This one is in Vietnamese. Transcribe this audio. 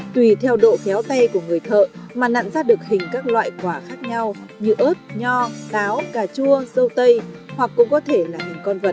tùy theo độ khéo tay của người thợ mà nặn ra được hình các loại quả khác nhau như ớt nho táo cà chua dâu tây hoặc cũng có thể là hình con vật